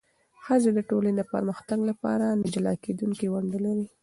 ښځې د ټولنې د پرمختګ لپاره نه جلا کېدونکې ونډه لري.